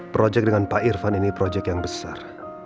proyek dengan pak irfan ini proyek yang besar